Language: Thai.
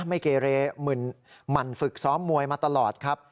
ไม่เกเรหมั่นฝึกซ้อมมวยมาตลอดครับ